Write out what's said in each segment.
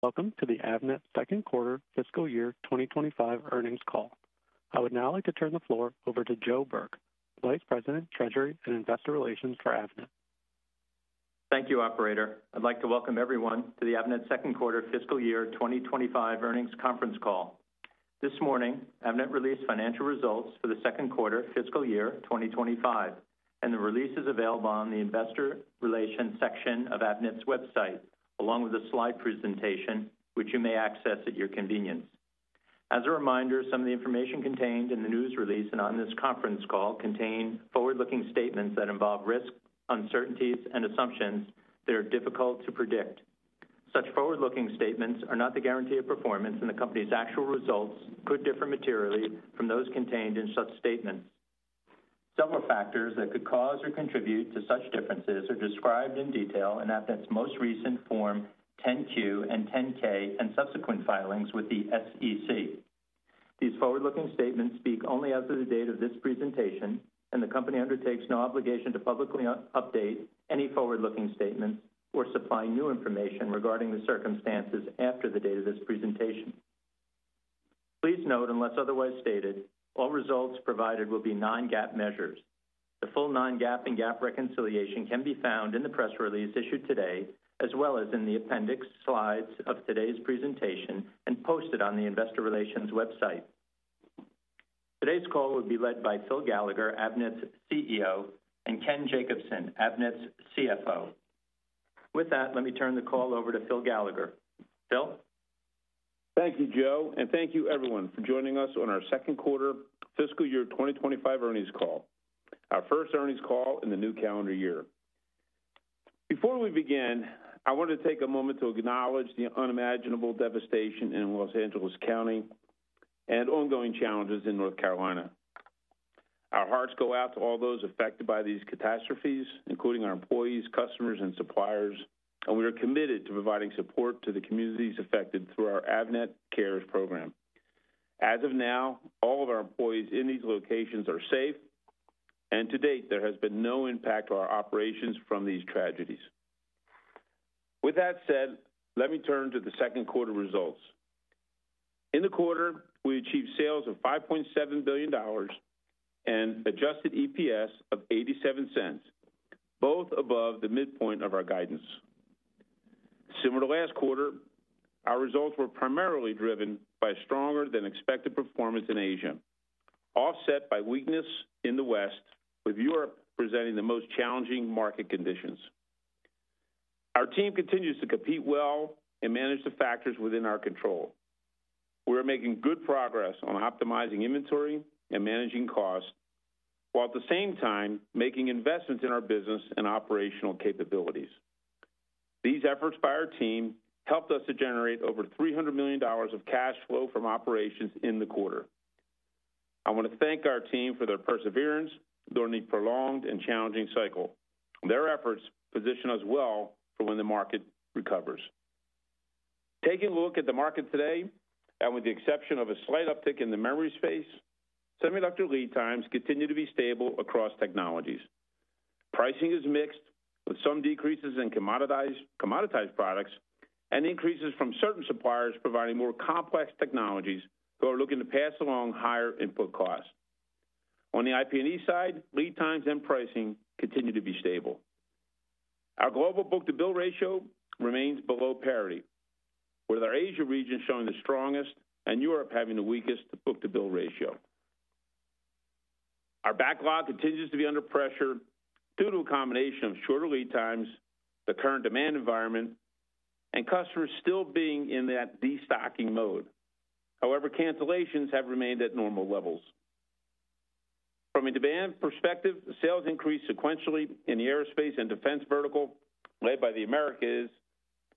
Welcome to the Avnet Second Quarter Fiscal Year 2025 Earnings Call. I would now like to turn the floor over to Joe Burke, Vice President, Treasury and Investor Relations for Avnet. Thank you, Operator. I'd like to welcome everyone to the Avnet Second Quarter Fiscal Year 2025 Earnings Conference Call. This morning, Avnet released financial results for the second quarter fiscal year 2025, and the release is available on the Investor Relations section of Avnet's website, along with a slide presentation which you may access at your convenience. As a reminder, some of the information contained in the news release and on this conference call contain forward-looking statements that involve risk, uncertainties, and assumptions that are difficult to predict. Such forward-looking statements are not the guarantee of performance, and the company's actual results could differ materially from those contained in such statements. Several factors that could cause or contribute to such differences are described in detail in Avnet's most recent Form 10-Q and 10-K, and subsequent filings with the SEC. These forward-looking statements speak only as of the date of this presentation, and the company undertakes no obligation to publicly update any forward-looking statements or supply new information regarding the circumstances after the date of this presentation. Please note, unless otherwise stated, all results provided will be non-GAAP measures. The full non-GAAP and GAAP reconciliation can be found in the press release issued today, as well as in the appendix slides of today's presentation, and posted on the Investor Relations website. Today's call will be led by Phil Gallagher, Avnet's CEO, and Ken Jacobson, Avnet's CFO. With that, let me turn the call over to Phil Gallagher. Phil? Thank you, Joe, and thank you, everyone, for joining us on our Second Quarter Fiscal Year 2025 Earnings Call, our first earnings call in the new calendar year. Before we begin, I wanted to take a moment to acknowledge the unimaginable devastation in Los Angeles County and ongoing challenges in North Carolina. Our hearts go out to all those affected by these catastrophes, including our employees, customers, and suppliers, and we are committed to providing support to the communities affected through our Avnet Cares program. As of now, all of our employees in these locations are safe, and to date, there has been no impact on our operations from these tragedies. With that said, let me turn to the second quarter results. In the quarter, we achieved sales of $5.7 billion and an adjusted EPS of $0.87, both above the midpoint of our guidance. Similar to last quarter, our results were primarily driven by stronger-than-expected performance in Asia, offset by weakness in the West, with Europe presenting the most challenging market conditions. Our team continues to compete well and manage the factors within our control. We are making good progress on optimizing inventory and managing costs, while at the same time making investments in our business and operational capabilities. These efforts by our team helped us to generate over $300 million of cash flow from operations in the quarter. I want to thank our team for their perseverance during the prolonged and challenging cycle. Their efforts position us well for when the market recovers. Taking a look at the market today, and with the exception of a slight uptick in the memory space, semiconductor lead times continue to be stable across technologies. Pricing is mixed, with some decreases in commoditized products and increases from certain suppliers providing more complex technologies who are looking to pass along higher input costs. On the IP&E side, lead times and pricing continue to be stable. Our global book-to-bill ratio remains below parity, with our Asia region showing the strongest and Europe having the weakest book-to-bill ratio. Our backlog continues to be under pressure due to a combination of shorter lead times, the current demand environment, and customers still being in that destocking mode. However, cancellations have remained at normal levels. From a demand perspective, sales increased sequentially in the aerospace and defense vertical, led by the Americas,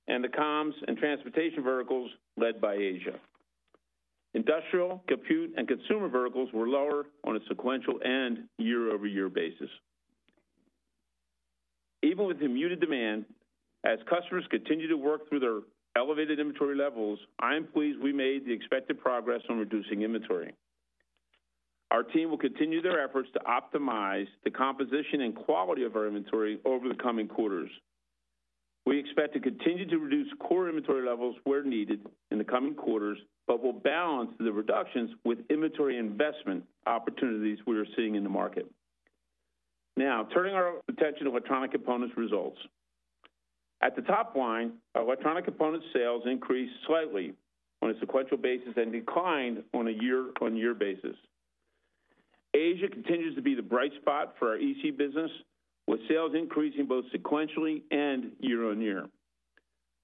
and the comms and transportation verticals, led by Asia. Industrial, compute, and consumer verticals were lower on a sequential and year-over-year basis. Even with muted demand, as customers continue to work through their elevated inventory levels, I am pleased we made the expected progress on reducing inventory. Our team will continue their efforts to optimize the composition and quality of our inventory over the coming quarters. We expect to continue to reduce core inventory levels where needed in the coming quarters, but we'll balance the reductions with inventory investment opportunities we are seeing in the market. Now, turning our attention to Electronic Components results. At the top line, our Electronic Components sales increased slightly on a sequential basis and declined on a year-on-year basis. Asia continues to be the bright spot for our EC business, with sales increasing both sequentially and year-on-year.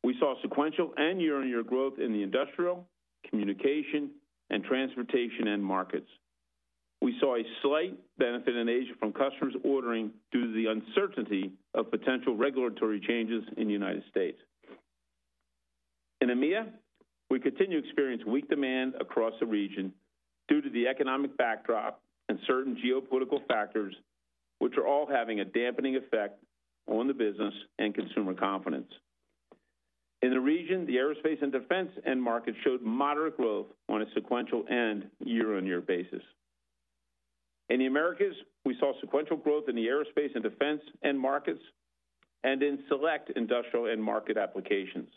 We saw sequential and year-on-year growth in the industrial, communication, and transportation end markets. We saw a slight benefit in Asia from customers ordering due to the uncertainty of potential regulatory changes in the United States. In EMEA, we continue to experience weak demand across the region due to the economic backdrop and certain geopolitical factors, which are all having a dampening effect on the business and consumer confidence. In the region, the aerospace and defense end markets showed moderate growth on a sequential and year-on-year basis. In the Americas, we saw sequential growth in the aerospace and defense end markets and in select industrial end market applications.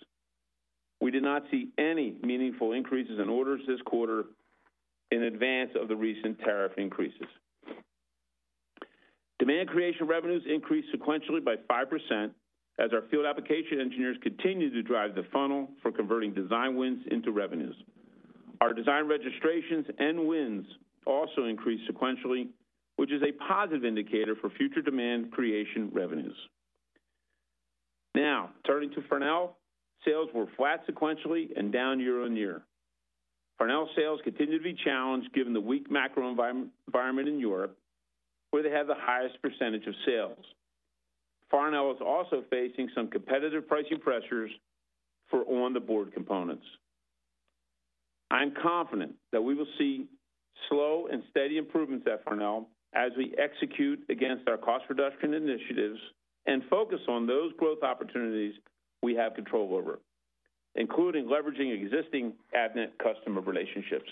We did not see any meaningful increases in orders this quarter in advance of the recent tariff increases. Demand creation revenues increased sequentially by 5% as our field application engineers continue to drive the funnel for converting design wins into revenues. Our design registrations and wins also increased sequentially, which is a positive indicator for future demand creation revenues. Now, turning to Farnell, sales were flat sequentially and down year-on-year. Farnell's sales continue to be challenged given the weak macro environment in Europe, where they have the highest percentage of sales. Farnell is also facing some competitive pricing pressures for on-the-board components. I'm confident that we will see slow and steady improvements at Farnell as we execute against our cost reduction initiatives and focus on those growth opportunities we have control over, including leveraging existing Avnet customer relationships.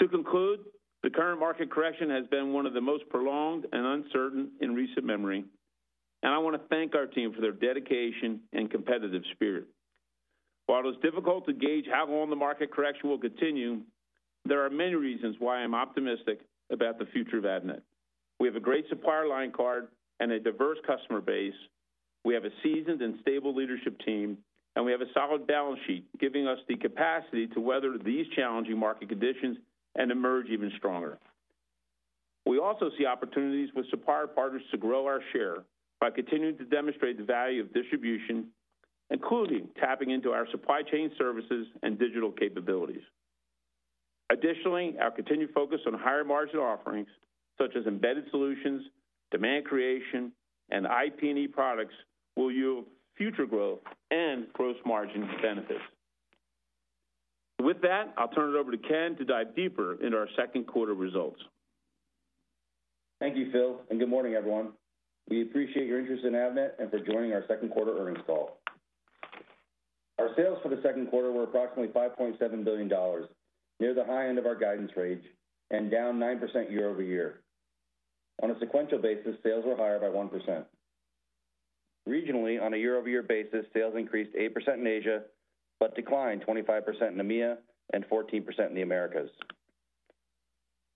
To conclude, the current market correction has been one of the most prolonged and uncertain in recent memory, and I want to thank our team for their dedication and competitive spirit. While it is difficult to gauge how long the market correction will continue, there are many reasons why I'm optimistic about the future of Avnet. We have a great supplier line card and a diverse customer base. We have a seasoned and stable leadership team, and we have a solid balance sheet giving us the capacity to weather these challenging market conditions and emerge even stronger. We also see opportunities with supplier partners to grow our share by continuing to demonstrate the value of distribution, including tapping into our supply chain services and digital capabilities. Additionally, our continued focus on higher margin offerings, such as embedded solutions, demand creation, and IP&E products, will yield future growth and gross margin benefits. With that, I'll turn it over to Ken to dive deeper into our second quarter results. Thank you, Phil. Good morning, everyone. We appreciate your interest in Avnet and for joining our Second Quarter Earnings Call. Our sales for the second quarter were approximately $5.7 billion, near the high end of our guidance range, and down 9% year-over-year. On a sequential basis, sales were higher by 1%. Regionally, on a year-over-year basis, sales increased 8% in Asia, but declined 25% in EMEA and 14% in the Americas.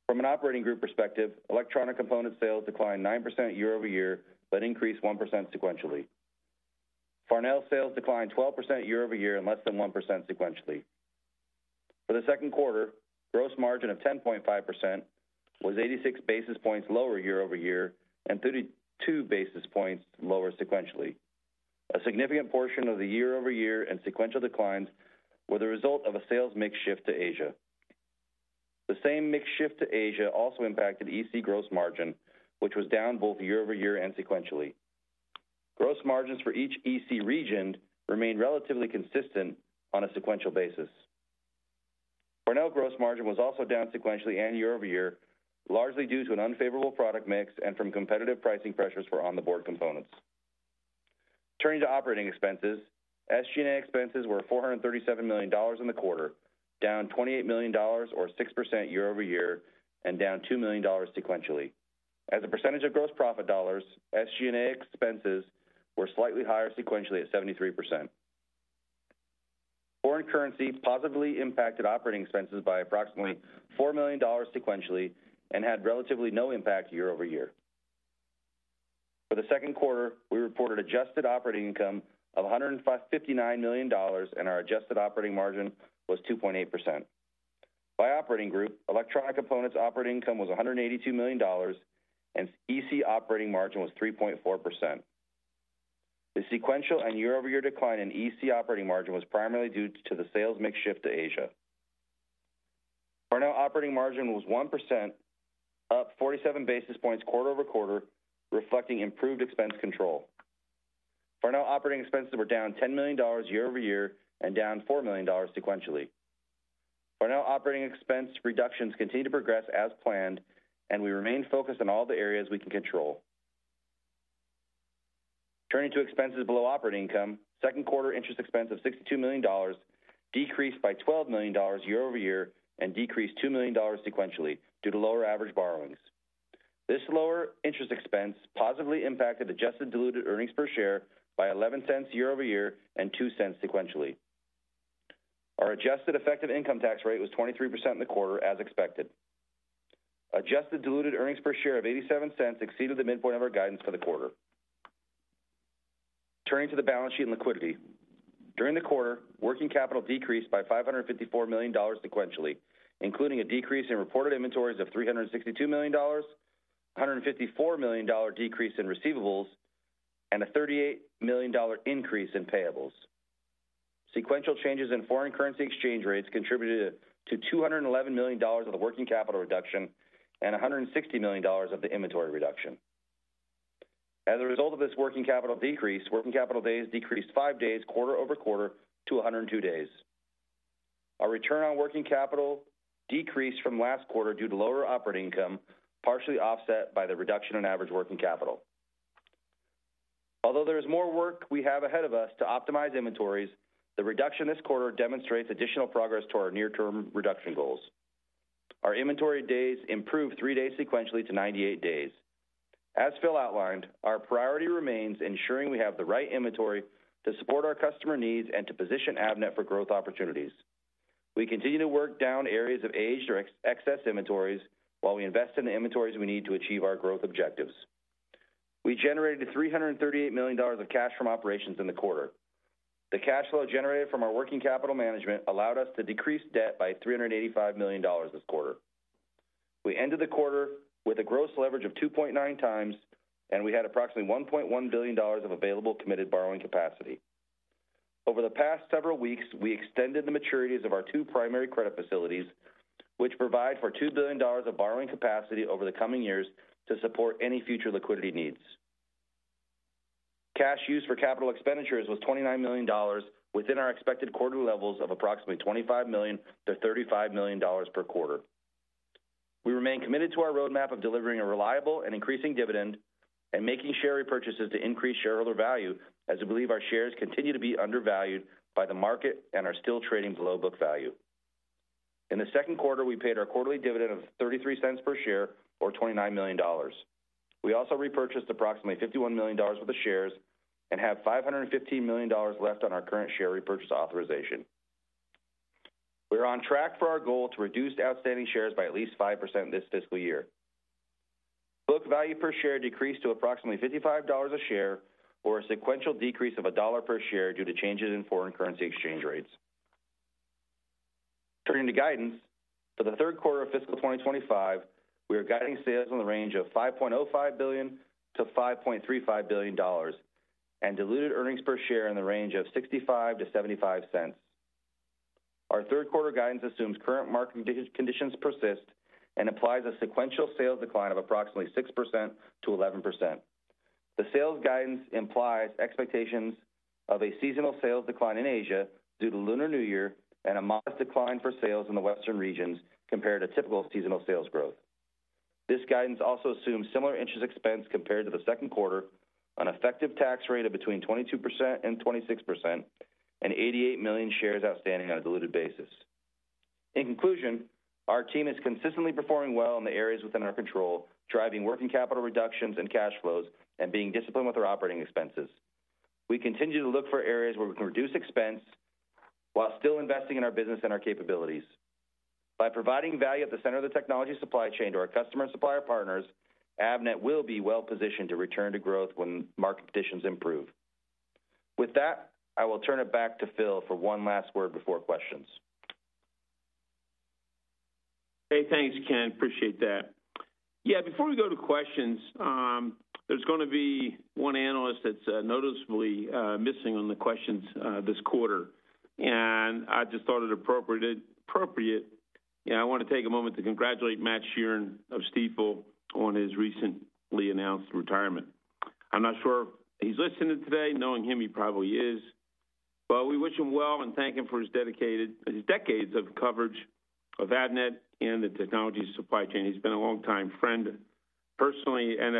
From an operating group perspective, Electronic Component sales declined 9% year-over-year, but increased 1% sequentially. Farnell's sales declined 12% year-over-year and less than 1% sequentially. For the second quarter, gross margin of 10.5% was 86 basis points lower year-over-year and 32 basis points lower sequentially. A significant portion of the year-over-year and sequential declines were the result of a sales mix shift to Asia. The same mix shift to Asia also impacted EC gross margin, which was down both year-over-year and sequentially. Gross margins for each EC region remained relatively consistent on a sequential basis. Farnell gross margin was also down sequentially and year-over-year, largely due to an unfavorable product mix and from competitive pricing pressures for on-the-board components. Turning to operating expenses, SG&A expenses were $437 million in the quarter, down $28 million, or 6% year-over-year, and down $2 million sequentially. As a percentage of gross profit dollars, SG&A expenses were slightly higher sequentially at 73%. Foreign currency positively impacted operating expenses by approximately $4 million sequentially and had relatively no impact year-over-year. For the second quarter, we reported adjusted operating income of $159 million, and our adjusted operating margin was 2.8%. By operating group, Electronic Components operating income was $182 million, and EC operating margin was 3.4%. The sequential and year-over-year decline in EC operating margin was primarily due to the sales mix shift to Asia. Farnell operating margin was 1%, up 47 basis points quarter over quarter, reflecting improved expense control. Farnell operating expenses were down $10 million year-over-year and down $4 million sequentially. Farnell operating expense reductions continue to progress as planned, and we remain focused on all the areas we can control. Turning to expenses below operating income, second quarter interest expense of $62 million decreased by $12 million year-over-year and decreased $2 million sequentially due to lower average borrowings. This lower interest expense positively impacted adjusted diluted earnings per share by $0.11 year-over-year and $0.02 sequentially. Our adjusted effective income tax rate was 23% in the quarter, as expected. Adjusted diluted earnings per share of $0.87 exceeded the midpoint of our guidance for the quarter. Turning to the balance sheet and liquidity. During the quarter, working capital decreased by $554 million sequentially, including a decrease in reported inventories of $362 million, a $154 million decrease in receivables, and a $38 million increase in payables. Sequential changes in foreign currency exchange rates contributed to $211 million of the working capital reduction and $160 million of the inventory reduction. As a result of this working capital decrease, working capital days decreased five days quarter over quarter to 102 days. Our return on working capital decreased from last quarter due to lower operating income, partially offset by the reduction in average working capital. Although there is more work we have ahead of us to optimize inventories, the reduction this quarter demonstrates additional progress toward our near-term reduction goals. Our inventory days improved three days sequentially to 98 days. As Phil outlined, our priority remains ensuring we have the right inventory to support our customer needs and to position Avnet for growth opportunities. We continue to work down areas of aged or excess inventories while we invest in the inventories we need to achieve our growth objectives. We generated $338 million of cash from operations in the quarter. The cash flow generated from our working capital management allowed us to decrease debt by $385 million this quarter. We ended the quarter with a gross leverage of 2.9 times, and we had approximately $1.1 billion of available committed borrowing capacity. Over the past several weeks, we extended the maturities of our two primary credit facilities, which provide for $2 billion of borrowing capacity over the coming years to support any future liquidity needs. Cash used for capital expenditures was $29 million within our expected quarterly levels of approximately $25 million-$35 million per quarter. We remain committed to our roadmap of delivering a reliable and increasing dividend and making share repurchases to increase shareholder value, as we believe our shares continue to be undervalued by the market and are still trading below book value. In the second quarter, we paid our quarterly dividend of $0.33 per share, or $29 million. We also repurchased approximately $51 million worth of shares and have $515 million left on our current share repurchase authorization. We are on track for our goal to reduce outstanding shares by at least 5% this fiscal year. Book value per share decreased to approximately $55 a share, or a sequential decrease of $1 per share due to changes in foreign currency exchange rates. Turning to guidance, for the third quarter of fiscal 2025, we are guiding sales in the range of $5.05 billion-$5.35 billion and diluted earnings per share in the range of $0.65-$0.75. Our third quarter guidance assumes current market conditions persist and applies a sequential sales decline of approximately 6%-11%. The sales guidance implies expectations of a seasonal sales decline in Asia due to Lunar New Year and a modest decline for sales in the Western regions compared to typical seasonal sales growth. This guidance also assumes similar interest expense compared to the second quarter, an effective tax rate of between 22% and 26%, and 88 million shares outstanding on a diluted basis. In conclusion, our team is consistently performing well in the areas within our control, driving working capital reductions and cash flows and being disciplined with our operating expenses. We continue to look for areas where we can reduce expense while still investing in our business and our capabilities. By providing value at the center of the technology supply chain to our customer and supplier partners, Avnet will be well positioned to return to growth when market conditions improve. With that, I will turn it back to Phil for one last word before questions. Hey, thanks, Ken. Appreciate that. Yeah, before we go to questions, there's going to be one analyst that's noticeably missing on the questions this quarter, and I just thought it appropriate. I want to take a moment to congratulate Matt Sheerin of Stifel on his recently announced retirement. I'm not sure if he's listening today. Knowing him, he probably is. But we wish him well and thank him for his decades of coverage of Avnet and the technology supply chain. He's been a long-time friend personally and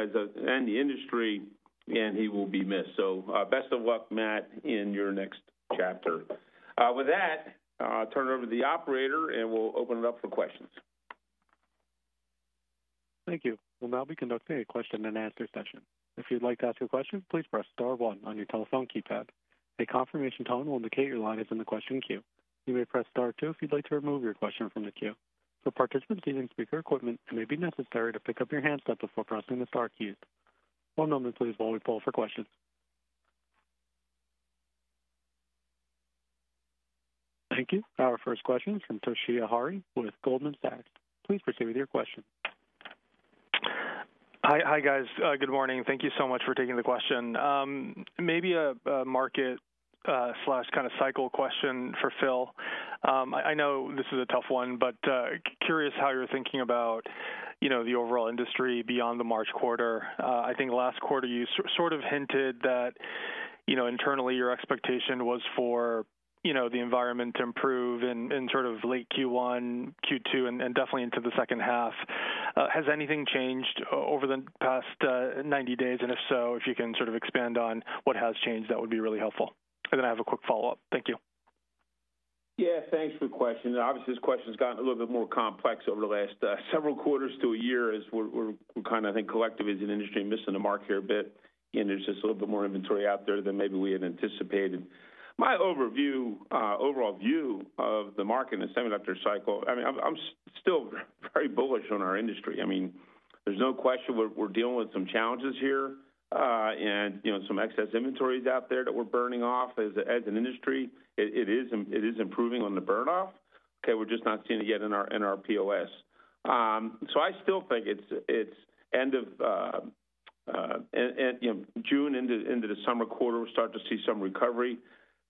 the industry, and he will be missed. So best of luck, Matt, in your next chapter. With that, I'll turn it over to the operator, and we'll open it up for questions. Thank you. We'll now be conducting a question-and-answer session. If you'd like to ask a question, please press Star 1 on your telephone keypad. A confirmation tone will indicate your line is in the question queue. You may press Star 2 if you'd like to remove your question from the queue. For participants using speaker equipment, it may be necessary to pick up your handset before pressing the Star keys. One moment, please, while we poll for questions. Thank you. Our first question is from Toshiya Hari with Goldman Sachs. Please proceed with your question. Hi, guys. Good morning. Thank you so much for taking the question. Maybe a market kind of cycle question for Phil. I know this is a tough one, but curious how you're thinking about the overall industry beyond the March quarter. I think last quarter, you sort of hinted that internally, your expectation was for the environment to improve in sort of late Q1, Q2, and definitely into the second half. Has anything changed over the past 90 days? And if so, if you can sort of expand on what has changed, that would be really helpful. And then I have a quick follow-up. Thank you. Yeah, thanks for the question. Obviously, this question's gotten a little bit more complex over the last several quarters to a year, as we're kind of, I think, collectively as an industry missing the mark here a bit. There's just a little bit more inventory out there than maybe we had anticipated. My overall view of the market in a semiconductor cycle, I mean, I'm still very bullish on our industry. I mean, there's no question we're dealing with some challenges here and some excess inventories out there that we're burning off. As an industry, it is improving on the burn-off. Okay, we're just not seeing it yet in our POS. So I still think it's end of June into the summer quarter, we'll start to see some recovery.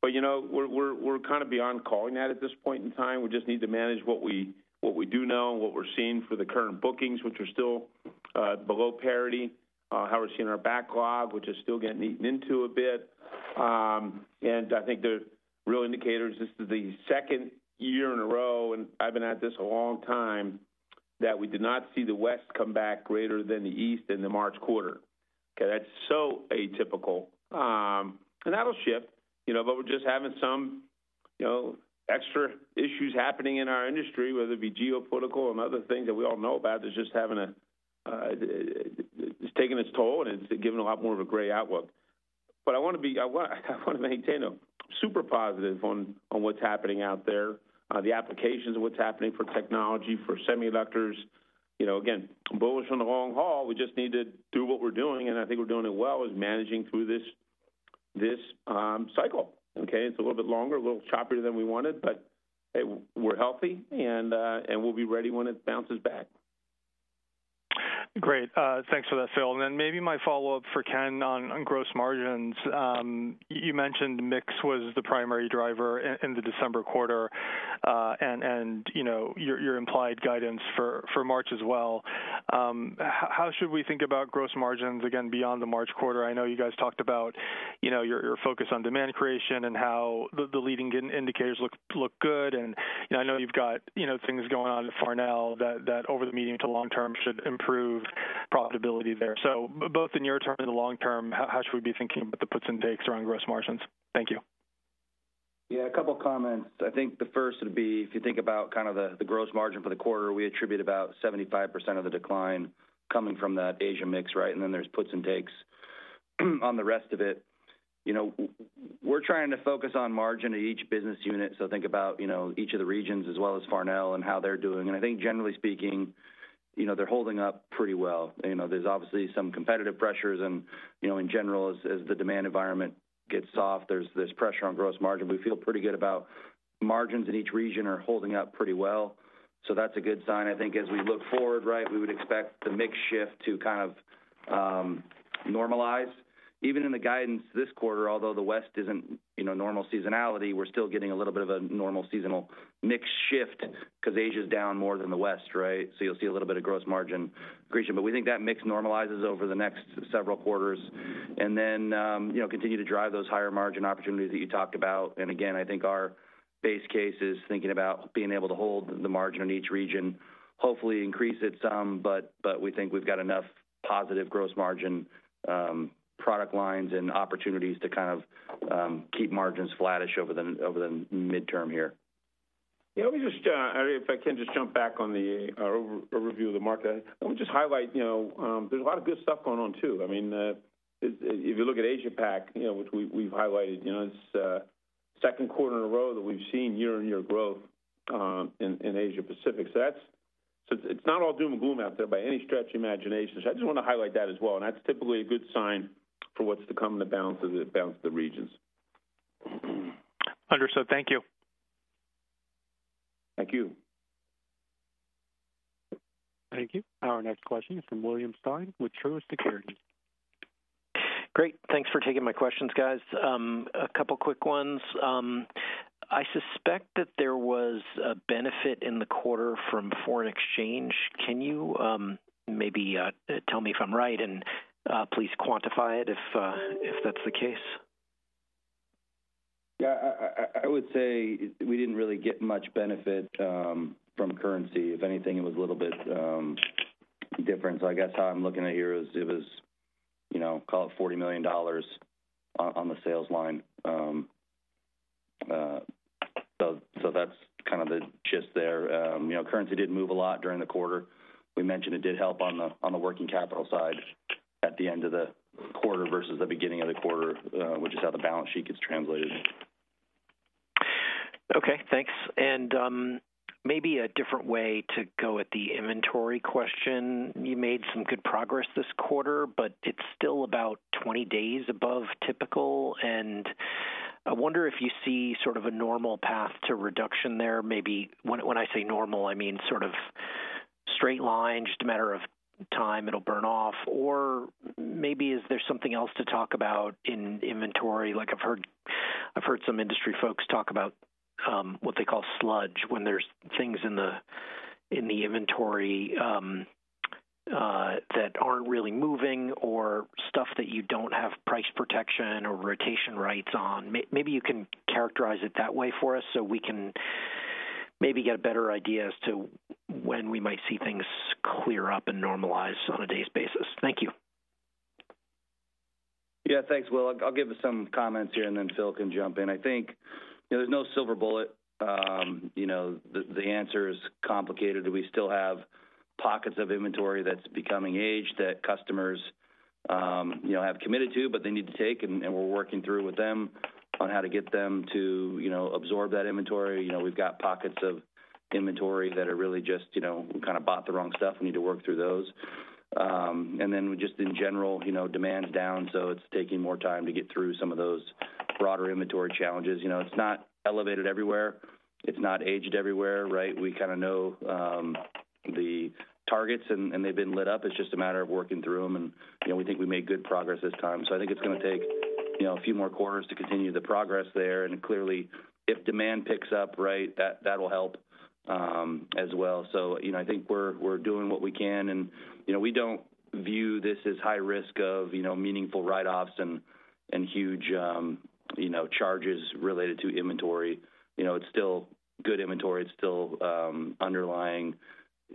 But you know we're kind of beyond calling that at this point in time. We just need to manage what we do know and what we're seeing for the current bookings, which are still below parity, how we're seeing our backlog, which is still getting eaten into a bit. And I think the real indicator is this is the second year in a row, and I've been at this a long time, that we did not see the West come back greater than the East in the March quarter. Okay, that's so atypical. And that'll shift. But we're just having some extra issues happening in our industry, whether it be geopolitical and other things that we all know about, that's just taking its toll and it's giving a lot more of a gray outlook. But I want to maintain a super positive on what's happening out there, the applications of what's happening for technology, for semiconductors. Again, bullish on the long haul. We just need to do what we're doing, and I think we're doing it well as managing through this cycle. Okay, it's a little bit longer, a little choppier than we wanted, but we're healthy, and we'll be ready when it bounces back. Great. Thanks for that, Phil. And then maybe my follow-up for Ken on gross margins. You mentioned mix was the primary driver in the December quarter and your implied guidance for March as well. How should we think about gross margins again beyond the March quarter? I know you guys talked about your focus on demand creation and how the leading indicators look good. And I know you've got things going on at Farnell that over the medium to long term should improve profitability there. So both the near term and the long term, how should we be thinking about the puts and takes around gross margins? Thank you. Yeah, a couple of comments. I think the first would be, if you think about kind of the gross margin for the quarter, we attribute about 75% of the decline coming from that Asia mix, right? And then there's puts and takes on the rest of it. We're trying to focus on margin to each business unit. So think about each of the regions as well as Farnell and how they're doing. And I think, generally speaking, they're holding up pretty well. There's obviously some competitive pressures. And in general, as the demand environment gets soft, there's pressure on gross margin. We feel pretty good about margins in each region are holding up pretty well. So that's a good sign. I think as we look forward, right, we would expect the mix shift to kind of normalize. Even in the guidance this quarter, although the West isn't normal seasonality, we're still getting a little bit of a normal seasonal mix shift because Asia's down more than the West, right? So you'll see a little bit of gross margin creation. But we think that mix normalizes over the next several quarters and then continue to drive those higher margin opportunities that you talked about. And again, I think our base case is thinking about being able to hold the margin in each region, hopefully increase it some, but we think we've got enough positive gross margin product lines and opportunities to kind of keep margins flattish over the midterm here. Yeah. Let me just, if I can, just jump back on the overview of the market. Let me just highlight there's a lot of good stuff going on too. I mean, if you look at Asia Pac, which we've highlighted, it's second quarter in a row that we've seen year-on-year growth in Asia-Pacific. So it's not all doom and gloom out there by any stretch of imagination. So I just want to highlight that as well. And that's typically a good sign for what's to come in the balance of the regions. Understood. Thank you. Thank you. Thank you. Our next question is from William Stein with Truist Securities. Great. Thanks for taking my questions, guys. A couple of quick ones. I suspect that there was a benefit in the quarter from foreign exchange. Can you maybe tell me if I'm right and please quantify it if that's the case? Yeah, I would say we didn't really get much benefit from currency. If anything, it was a little bit different. So I guess how I'm looking at here is it was, call it $40 million on the sales line. So that's kind of the gist there. Currency did move a lot during the quarter. We mentioned it did help on the working capital side at the end of the quarter versus the beginning of the quarter, which is how the balance sheet gets translated. Okay, thanks. And maybe a different way to go at the inventory question. You made some good progress this quarter, but it's still about 20 days above typical. And I wonder if you see sort of a normal path to reduction there. Maybe when I say normal, I mean sort of straight line, just a matter of time it'll burn off. Or maybe is there something else to talk about in inventory? I've heard some industry folks talk about what they call sludge when there's things in the inventory that aren't really moving or stuff that you don't have price protection or rotation rights on. Maybe you can characterize it that way for us so we can maybe get a better idea as to when we might see things clear up and normalize on a days' basis. Thank you. Yeah, thanks, Will. I'll give some comments here, and then Phil can jump in. I think there's no silver bullet. The answer is complicated. We still have pockets of inventory that's becoming aged that customers have committed to, but they need to take, and we're working through with them on how to get them to absorb that inventory. We've got pockets of inventory that are really just we kind of bought the wrong stuff. We need to work through those. And then just in general, demand's down, so it's taking more time to get through some of those broader inventory challenges. It's not elevated everywhere. It's not aged everywhere, right? We kind of know the targets, and they've been lit up. It's just a matter of working through them. And we think we made good progress this time. So I think it's going to take a few more quarters to continue the progress there. And clearly, if demand picks up, right, that'll help as well. So I think we're doing what we can. And we don't view this as high risk of meaningful write-offs and huge charges related to inventory. It's still good inventory. It's still underlying.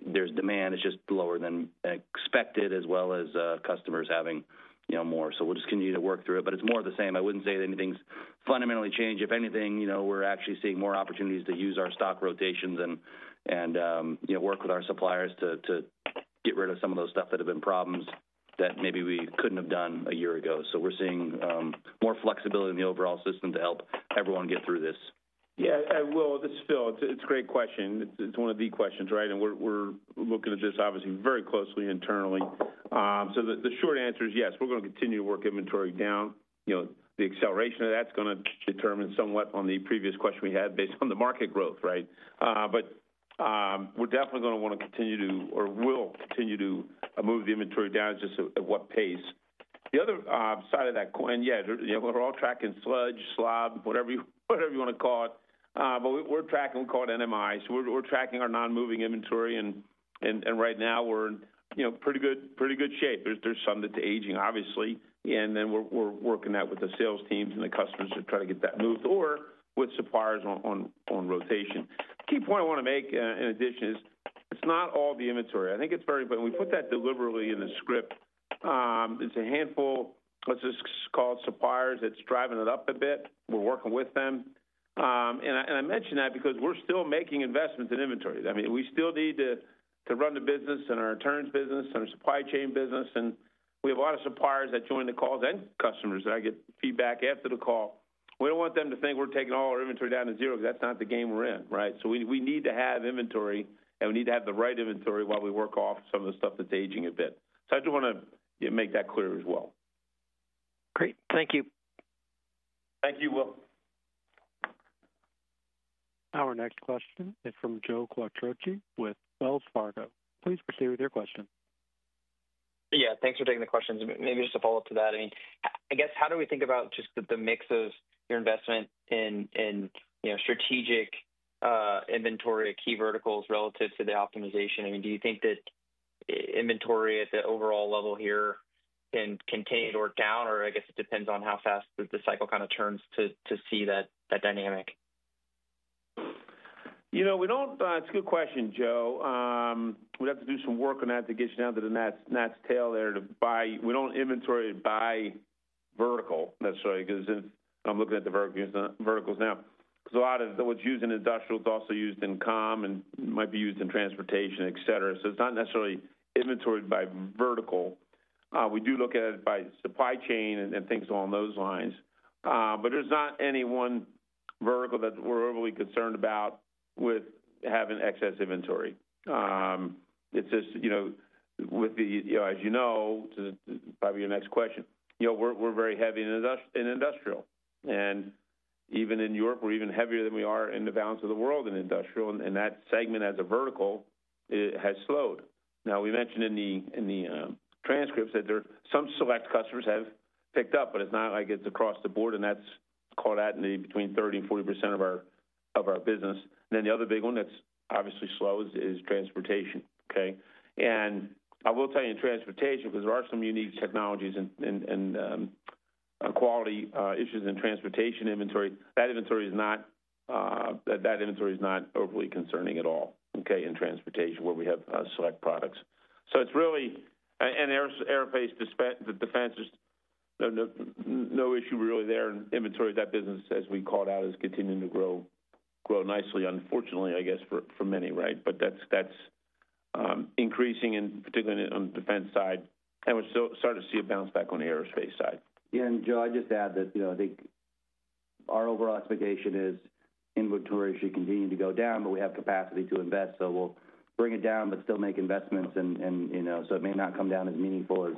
There's demand. It's just lower than expected, as well as customers having more. So we'll just continue to work through it. But it's more of the same. I wouldn't say that anything's fundamentally changed. If anything, we're actually seeing more opportunities to use our stock rotations and work with our suppliers to get rid of some of those stuff that have been problems that maybe we couldn't have done a year ago. So we're seeing more flexibility in the overall system to help everyone get through this. Yeah. This is Phil. It's a great question. It's one of the questions, right? And we're looking at this, obviously, very closely internally. So the short answer is yes. We're going to continue to work inventory down. The acceleration of that's going to determine somewhat on the previous question we had based on the market growth, right? But we're definitely going to want to continue to, or will continue to move the inventory down just at what pace. The other side of that coin, yeah, we're all tracking sludge, SLOB, whatever you want to call it. But we're tracking, we call it NMI. So we're tracking our non-moving inventory. And right now, we're in pretty good shape. There's some that's aging, obviously. And then we're working that with the sales teams and the customers to try to get that moved or with suppliers on rotation. Key point I want to make in addition is it's not all the inventory. I think it's very important. We put that deliberately in the script. It's a handful of suppliers that's driving it up a bit. We're working with them. And I mention that because we're still making investments in inventory. I mean, we still need to run the business and our returns business and our supply chain business. And we have a lot of suppliers that join the calls and customers that I get feedback after the call. We don't want them to think we're taking all our inventory down to zero because that's not the game we're in, right? So we need to have inventory, and we need to have the right inventory while we work off some of the stuff that's aging a bit. So I just want to make that clear as well. Great. Thank you. Thank you, Will. Our next question is from Joe Quatrochi with Wells Fargo. Please proceed with your question. Yeah, thanks for taking the question. Maybe just a follow-up to that. I mean, I guess how do we think about just the mix of your investment in strategic inventory at key verticals relative to the optimization? I mean, do you think that inventory at the overall level here can continue to work down, or I guess it depends on how fast the cycle kind of turns to see that dynamic? You know, it's a good question, Joe. We'd have to do some work on that to get you down to the nuts and bolts there to buy. We don't inventory by vertical necessarily because I'm looking at the verticals now, because a lot of what's used in industrial is also used in comms and might be used in transportation, etc. So it's not necessarily inventory by vertical. We do look at it by supply chain and things along those lines, but there's not any one vertical that we're overly concerned about with having excess inventory. It's just with the, as you know, probably your next question, we're very heavy in industrial, and even in Europe, we're even heavier than we are in the balance of the world in industrial, and that segment as a vertical has slowed. Now, we mentioned in the transcripts that some select customers have picked up, but it's not like it's across the board, and that accounts for between 30%-40% of our business. Then the other big one that's obviously slow is transportation. Okay? I will tell you in transportation, because there are some unique technologies and quality issues in transportation inventory, that inventory is not overly concerning at all, okay, in transportation where we have select products. So it's really, and aerospace defense is no issue really there. Inventory, that business, as we called out, is continuing to grow nicely, unfortunately, I guess, for many, right? But that's increasing, and particularly on the defense side. We're starting to see a bounce back on the aerospace side. Yeah. And Joe, I'd just add that I think our overall expectation is inventory should continue to go down, but we have capacity to invest. So we'll bring it down, but still make investments. And so it may not come down as meaningful as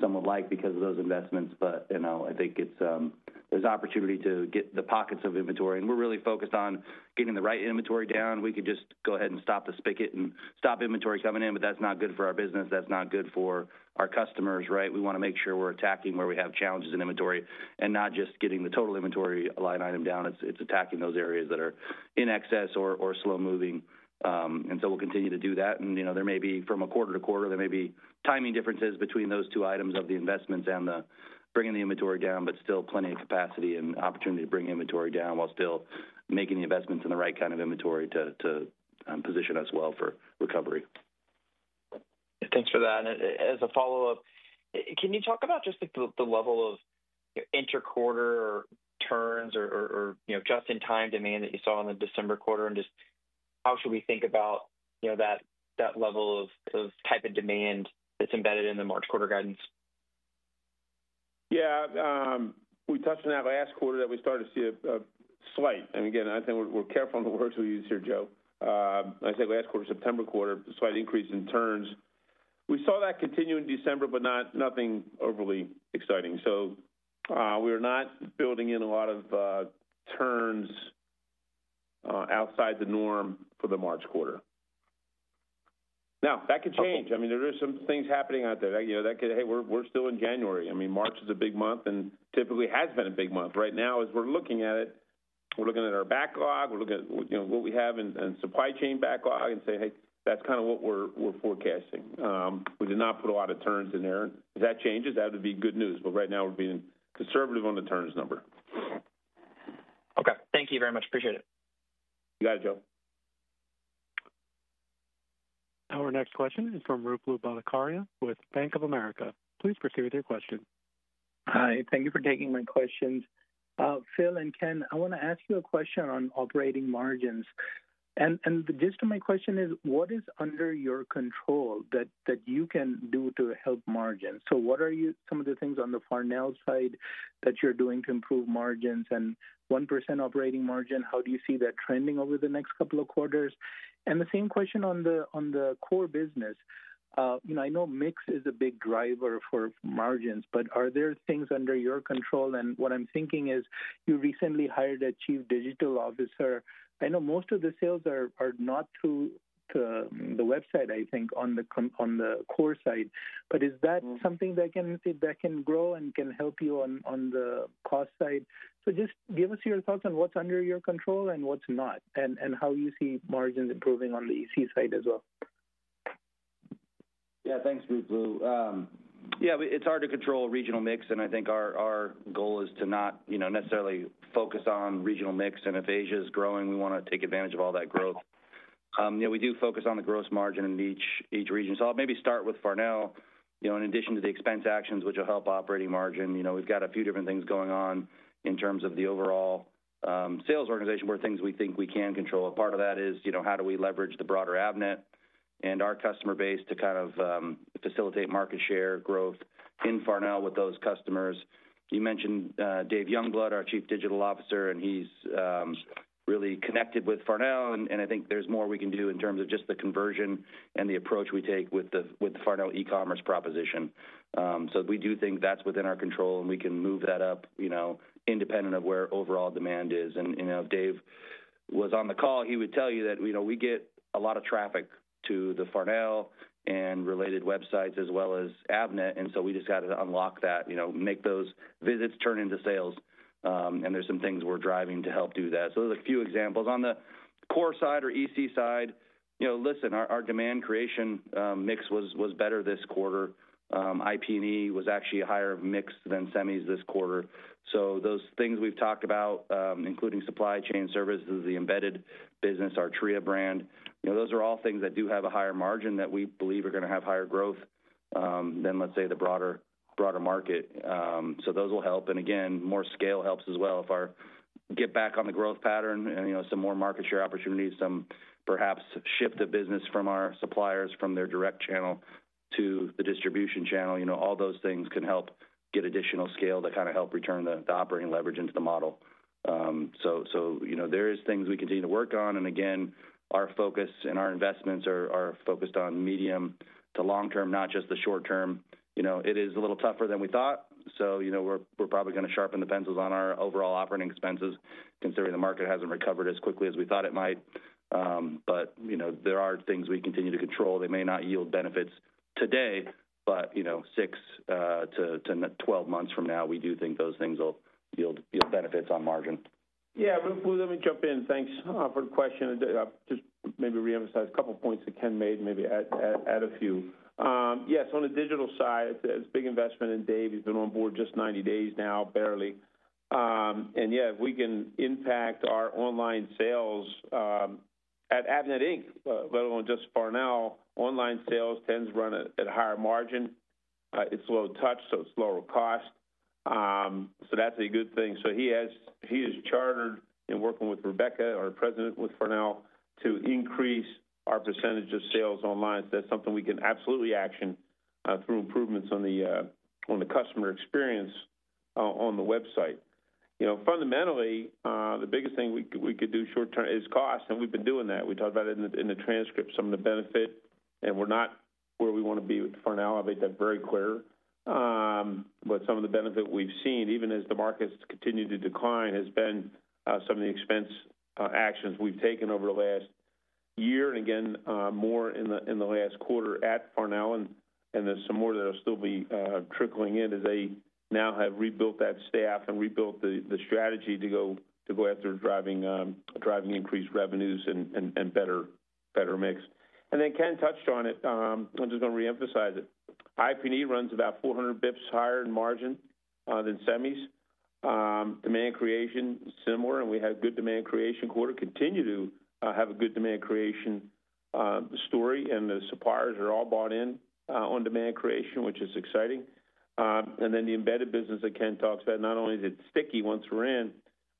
some would like because of those investments. But I think there's opportunity to get the pockets of inventory. And we're really focused on getting the right inventory down. We could just go ahead and stop the spigot and stop inventory coming in, but that's not good for our business. That's not good for our customers, right? We want to make sure we're attacking where we have challenges in inventory and not just getting the total inventory line item down. It's attacking those areas that are in excess or slow moving. And so we'll continue to do that. And there may be, from a quarter to quarter, there may be timing differences between those two items of the investments and bringing the inventory down, but still plenty of capacity and opportunity to bring inventory down while still making the investments in the right kind of inventory to position us well for recovery. Thanks for that and, as a follow-up, can you talk about just the level of intra-quarter turns or just-in-time demand that you saw in the December quarter? And just how should we think about that level of type of demand that's embedded in the March quarter guidance? Yeah. We touched on that last quarter that we started to see a slight, and again, I think we're careful in the words we use here, Joe. I said last quarter, September quarter, slight increase in turns. We saw that continue in December, but nothing overly exciting, so we are not building in a lot of turns outside the norm for the March quarter. Now, that could change. I mean, there are some things happening out there. That could, hey, we're still in January. I mean, March is a big month and typically has been a big month. Right now, as we're looking at it, we're looking at our backlog. We're looking at what we have in supply chain backlog and say, hey, that's kind of what we're forecasting. We did not put a lot of turns in there. If that changes, that would be good news. But right now, we're being conservative on the turns number. Okay. Thank you very much. Appreciate it. You got it, Joe. Our next question is from Ruplu Bhattacharya with Bank of America. Please proceed with your question. Hi. Thank you for taking my questions. Phil and Ken, I want to ask you a question on operating margins, and the gist of my question is, what is under your control that you can do to help margins? So what are some of the things on the Farnell side that you're doing to improve margins? And 1% operating margin, how do you see that trending over the next couple of quarters? And the same question on the core business. I know mix is a big driver for margins, but are there things under your control? And what I'm thinking is you recently hired a chief digital officer. I know most of the sales are not through the website, I think, on the core side, but is that something that can grow and can help you on the cost side? Just give us your thoughts on what's under your control and what's not, and how you see margins improving on the EC side as well? Yeah, thanks, Rupalu. Yeah, it's hard to control regional mix. And I think our goal is to not necessarily focus on regional mix. And if Asia is growing, we want to take advantage of all that growth. We do focus on the gross margin in each region. So I'll maybe start with Farnell. In addition to the expense actions, which will help operating margin, we've got a few different things going on in terms of the overall sales organization where things we think we can control. A part of that is how do we leverage the broader Avnet and our customer base to kind of facilitate market share growth in Farnell with those customers. You mentioned Dave Youngblood, our Chief Digital Officer, and he's really connected with Farnell. And I think there's more we can do in terms of just the conversion and the approach we take with the Farnell e-commerce proposition. So we do think that's within our control, and we can move that up independent of where overall demand is. And if Dave was on the call, he would tell you that we get a lot of traffic to the Farnell and related websites as well as Avnet. And so we just got to unlock that, make those visits turn into sales. And there's some things we're driving to help do that. So those are a few examples. On the core side or EC side, listen, our demand creation mix was better this quarter. IP&E was actually a higher mix than semis this quarter. Those things we've talked about, including supply chain services, the embedded business, our Tria brand, those are all things that do have a higher margin that we believe are going to have higher growth than, let's say, the broader market. Those will help. And again, more scale helps as well if we get back on the growth pattern and some more market share opportunities, some perhaps shift of business from our suppliers from their direct channel to the distribution channel. All those things can help get additional scale to kind of help return the operating leverage into the model. There are things we continue to work on. And again, our focus and our investments are focused on medium to long term, not just the short term. It is a little tougher than we thought. We're probably going to sharpen the pencils on our overall operating expenses considering the market hasn't recovered as quickly as we thought it might. But there are things we continue to control. They may not yield benefits today, but 6 to 12 months from now, we do think those things will yield benefits on margin. Yeah. Rupalu, let me jump in. Thanks for the question. Just maybe reemphasize a couple of points that Ken made, maybe add a few. Yes, on the digital side, it's a big investment. And Dave, he's been on board just 90 days now, barely. And yeah, if we can impact our online sales at Avnet Inc., let alone just Farnell, online sales tends to run at a higher margin. It's low touch, so it's lower cost. So that's a good thing. So he is chartered in working with Rebeca, our President with Farnell, to increase our percentage of sales online. So that's something we can absolutely action through improvements on the customer experience on the website. Fundamentally, the biggest thing we could do short-term is cost. And we've been doing that. We talked about it in the transcript, some of the benefit. And we're not where we want to be with Farnell. I'll make that very clear. But some of the benefit we've seen, even as the markets continue to decline, has been some of the expense actions we've taken over the last year. And again, more in the last quarter at Farnell. And there's some more that will still be trickling in as they now have rebuilt that staff and rebuilt the strategy to go after driving increased revenues and better mix. And then Ken touched on it. I'm just going to reemphasize it. IP&E runs about 400 basis points higher in margin than semis. Demand creation is similar, and we had a good demand creation quarter, continue to have a good demand creation story. And the suppliers are all bought in on demand creation, which is exciting, and then the embedded business that Ken talks about, not only is it sticky once we're in,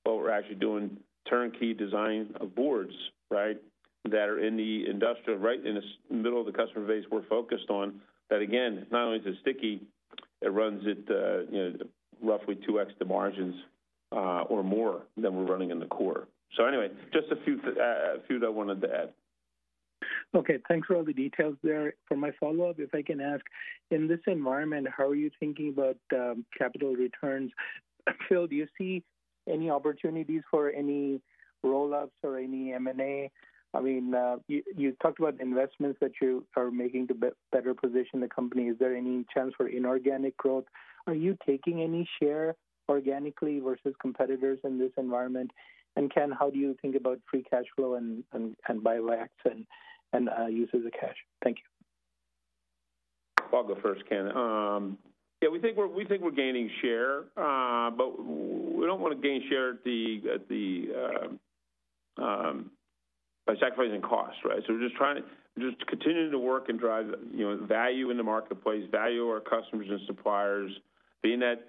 but we're actually doing turnkey design of boards, right, that are in the industrial, right, in the middle of the customer base we're focused on. That, again, not only is it sticky, it runs at roughly 2x the margins or more than we're running in the core, so anyway, just a few that I wanted to add. Okay. Thanks for all the details there. For my follow-up, if I can ask, in this environment, how are you thinking about capital returns? Phil, do you see any opportunities for any roll-ups or any M&A? I mean, you talked about investments that you are making to better position the company. Is there any chance for inorganic growth? Are you taking any share organically versus competitors in this environment? And Ken, how do you think about free cash flow and buybacks and uses of cash? Thank you. I'll go first, Ken. Yeah, we think we're gaining share, but we don't want to gain share at the by sacrificing cost, right? So we're just continuing to work and drive value in the marketplace, value of our customers and suppliers, being that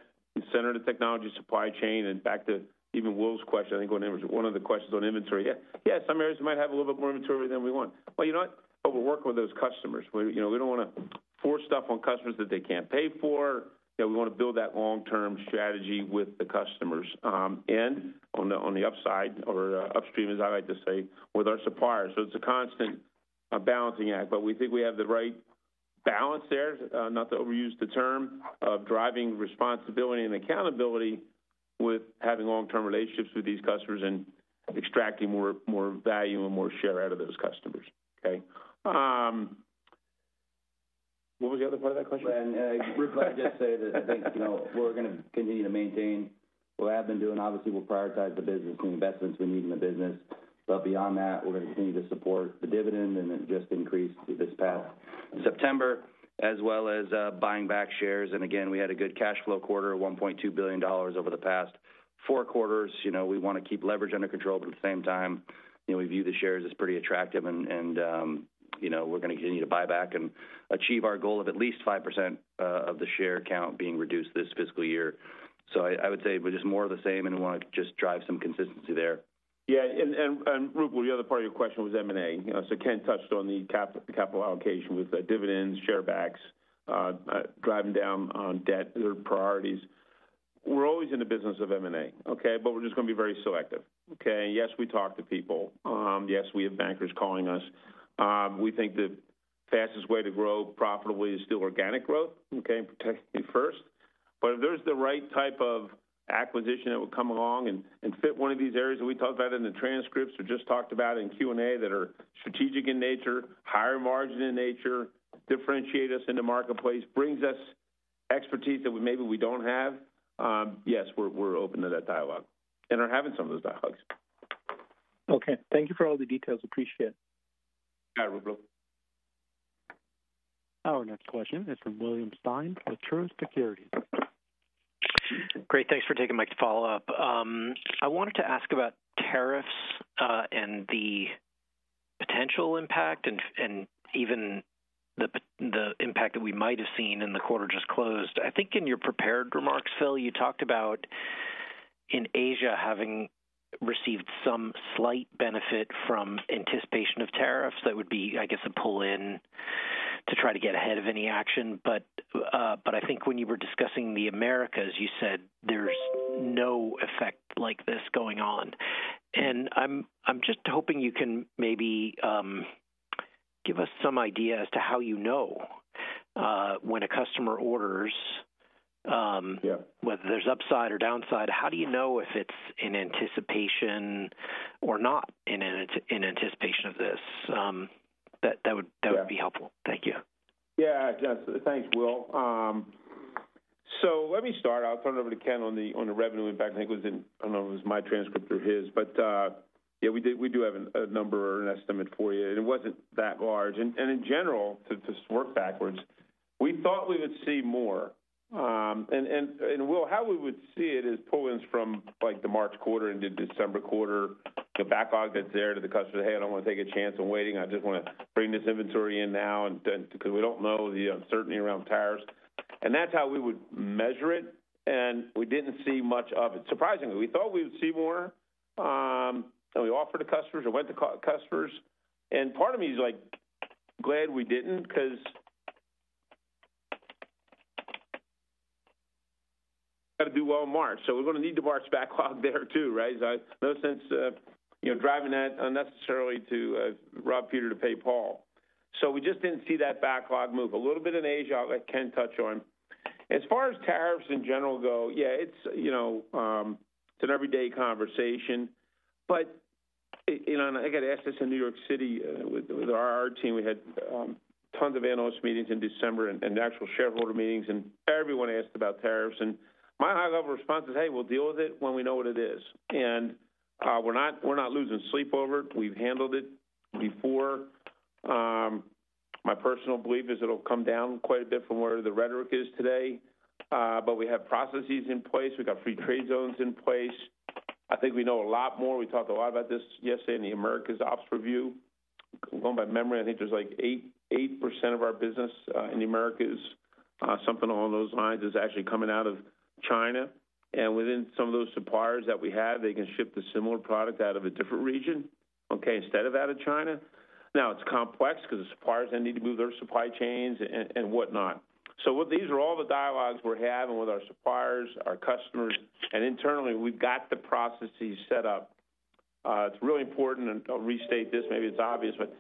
center of the technology supply chain, and back to even Will's question. I think one of the questions on inventory. Yeah, some areas might have a little bit more inventory than we want, well, you know what? But we're working with those customers. We don't want to force stuff on customers that they can't pay for. We want to build that long-term strategy with the customers, and on the upside or upstream, as I like to say, with our suppliers, so it's a constant balancing act. But we think we have the right balance there, not to overuse the term, of driving responsibility and accountability with having long-term relationships with these customers and extracting more value and more share out of those customers. Okay? What was the other part of that question? Rupalu, I'd just say that I think we're going to continue to maintain what we have been doing. Obviously, we'll prioritize the business and investments we need in the business. Beyond that, we're going to continue to support the dividend and just increase this past September, as well as buying back shares. Again, we had a good cash flow quarter of $1.2 billion over the past four quarters. We want to keep leverage under control, but at the same time, we view the shares as pretty attractive. We're going to continue to buy back and achieve our goal of at least 5% of the share count being reduced this fiscal year. I would say we're just more of the same, and we want to just drive some consistency there. Yeah. And Rupalu, the other part of your question was M&A. So Ken touched on the capital allocation with dividends, share backs, driving down on debt, their priorities. We're always in the business of M&A, okay? But we're just going to be very selective. Okay? Yes, we talk to people. Yes, we have bankers calling us. We think the fastest way to grow profitably is still organic growth, okay, protecting you first. But if there's the right type of acquisition that will come along and fit one of these areas that we talked about in the transcripts or just talked about in Q&A that are strategic in nature, higher margin in nature, differentiate us in the marketplace, brings us expertise that maybe we don't have, yes, we're open to that dialogue and are having some of those dialogues. Okay. Thank you for all the details. Appreciate it. Got it, Rupalu. Our next question is from William Stein for Truist Securities. Great. Thanks for taking my follow-up. I wanted to ask about tariffs and the potential impact and even the impact that we might have seen in the quarter just closed. I think in your prepared remarks, Phil, you talked about in Asia having received some slight benefit from anticipation of tariffs. That would be, I guess, a pull-in to try to get ahead of any action. But I think when you were discussing the Americas, you said there's no effect like this going on. And I'm just hoping you can maybe give us some idea as to how you know when a customer orders, whether there's upside or downside, how do you know if it's in anticipation or not in anticipation of this? That would be helpful. Thank you. Yeah. Thanks, Will, so let me start. I'll turn it over to Ken on the revenue impact. I think it was in. I don't know if it was my transcript or his, but yeah, we do have a number or an estimate for you, and it wasn't that large. And in general, to work backwards, we thought we would see more. And Will, how we would see it is pull-ins from the March quarter into December quarter, the backlog that's there to the customers. "Hey, I don't want to take a chance on waiting. I just want to bring this inventory in now because we don't know the uncertainty around tariffs." And that's how we would measure it, and we didn't see much of it. Surprisingly, we thought we would see more, and we offered to customers or went to customers. Part of me is glad we didn't because we got to do well in March. We're going to need to March backlog there too, right? No sense driving that unnecessarily to rob Peter to pay Paul. We just didn't see that backlog move. A little bit in Asia, I'll let Ken touch on. As far as tariffs in general go, yeah, it's an everyday conversation. I got to ask this in New York City with our team. We had tons of analyst meetings in December and actual shareholder meetings. Everyone asked about tariffs. My high-level response is, "Hey, we'll deal with it when we know what it is." We're not losing sleep over it. We've handled it before. My personal belief is it'll come down quite a bit from where the rhetoric is today. We have processes in place. We've got free trade zones in place. I think we know a lot more. We talked a lot about this yesterday in the Americas ops review. Going by memory, I think there's like 8% of our business in the Americas, something along those lines, is actually coming out of China. And within some of those suppliers that we have, they can ship the similar product out of a different region, okay, instead of out of China. Now, it's complex because the suppliers then need to move their supply chains and whatnot. So these are all the dialogues we're having with our suppliers, our customers. And internally, we've got the processes set up. It's really important, and I'll restate this. Maybe it's obvious, but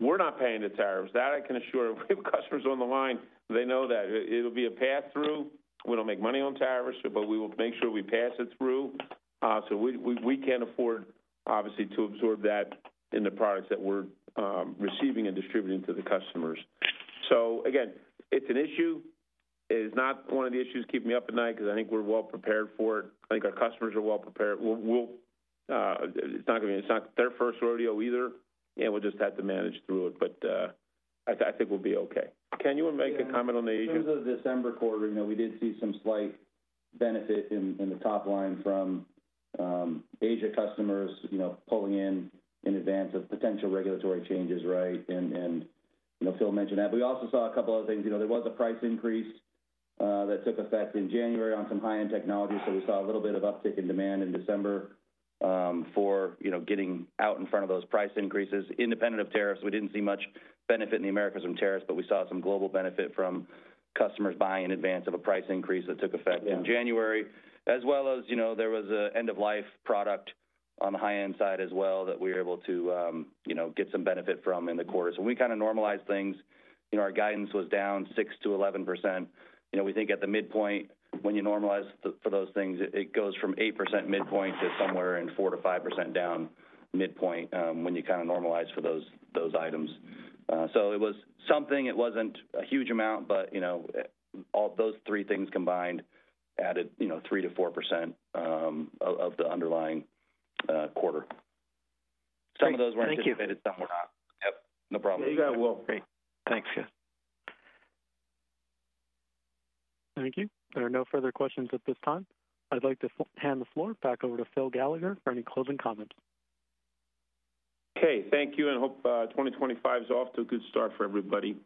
we're not paying the tariffs. That I can assure. We have customers on the line. They know that. It'll be a pass-through. We don't make money on tariffs, but we will make sure we pass it through. So we can't afford, obviously, to absorb that in the products that we're receiving and distributing to the customers. So again, it's an issue. It's not one of the issues keeping me up at night because I think we're well prepared for it. I think our customers are well prepared. It's not going to be their first rodeo either, and we'll just have to manage through it. But I think we'll be okay. Ken, you want to make a comment on the Asia? In terms of the December quarter, we did see some slight benefit in the top line from Asia customers pulling in in advance of potential regulatory changes, right? And Phil mentioned that. But we also saw a couple of other things. There was a price increase that took effect in January on some high-end technology. So we saw a little bit of uptick in demand in December for getting out in front of those price increases. Independent of tariffs, we didn't see much benefit in the Americas from tariffs, but we saw some global benefit from customers buying in advance of a price increase that took effect in January, as well as there was an end-of-life product on the high-end side as well that we were able to get some benefit from in the quarter. So we kind of normalized things. Our guidance was down 6%-11%. We think at the midpoint, when you normalize for those things, it goes from 8% midpoint to somewhere in 4%-5% down midpoint when you kind of normalize for those items. So it was something. It wasn't a huge amount, but those three things combined added 3%-4% of the underlying quarter. Some of those weren't significant, and some were not. Yep. No problem. You got it, Will. Thanks, guys. Thank you. There are no further questions at this time. I'd like to hand the floor back over to Phil Gallagher for any closing comments. Okay. Thank you. And I hope 2025 is off to a good start for everybody.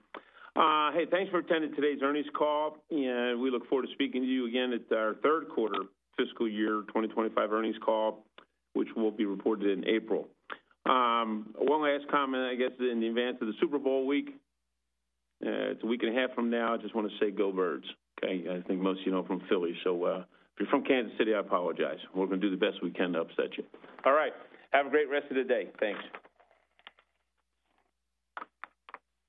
Hey, thanks for attending today's earnings call. And we look forward to speaking to you again at our third quarter fiscal year 2025 earnings call, which will be reported in April. One last comment, I guess, in advance of the Super Bowl week. It's a week and a half from now. I just want to say go Birds. Okay? I think most of you know I'm from Philly. So if you're from Kansas City, I apologize. We're going to do the best we can to upset you. All right. Have a great rest of the day. Thanks.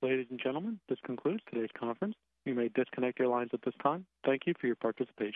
Ladies and gentlemen, this concludes today's conference. You may disconnect your lines at this time. Thank you for your participation.